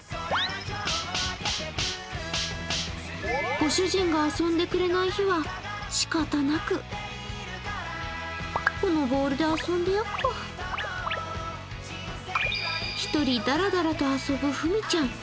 ご主人が遊んでくれない日はしかたなく１人、だらだらと遊ぶふみちゃん。